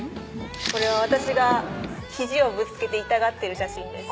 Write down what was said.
これは私がひじをぶつけて痛がってる写真です